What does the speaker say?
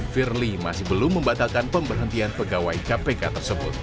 firly masih belum membatalkan pemberhentian pegawai kpk tersebut